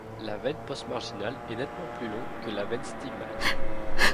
La veine postmarginale est nettement plus longue que la veine stigmale.